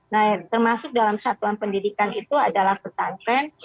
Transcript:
nah termasuk dalam satuan pendidikan itu adalah pesantren